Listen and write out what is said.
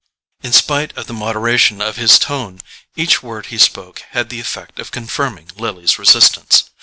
In spite of the moderation of his tone, each word he spoke had the effect of confirming Lily's resistance.